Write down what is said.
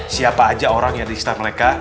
siapa aja orang yang di istana mereka